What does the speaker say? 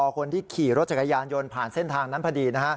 คนที่ขี่รถจักรยานยนต์ผ่านเส้นทางนั้นพอดี